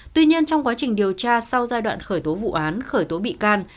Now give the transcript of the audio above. tuy nhiên trong quá trình điều tra sau giai đoạn khởi tố vụ án khởi tố bị can